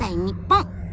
日本。